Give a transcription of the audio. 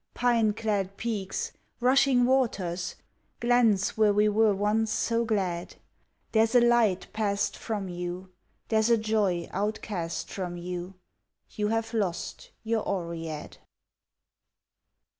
Pine clad peaks! Rushing waters! Glens where we were once so glad! There's a light passed from you, There's a joy outcast from you, You have lost your Oread.